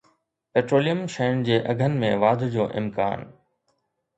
petroleum شين جي اگهن ۾ واڌ جو امڪان